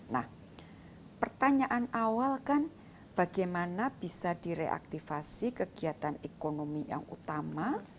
nah pertanyaan awal kan bagaimana bisa direaktivasi kegiatan ekonomi yang utama